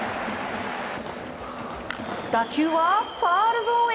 打球はファウルゾーンへ。